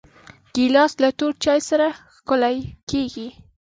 ګیلاس له تور چای سره ښکلی کېږي.